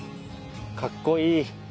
かっこいい。